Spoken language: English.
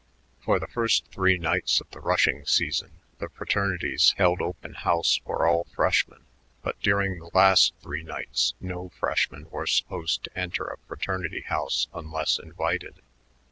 For the first three nights of the rushing season the fraternities held open house for all freshmen, but during the last three nights no freshman was supposed to enter a fraternity house unless Invited.